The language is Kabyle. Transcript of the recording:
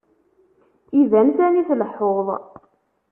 Iban sani tleḥḥuḍ.